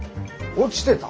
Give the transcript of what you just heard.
落ちてた？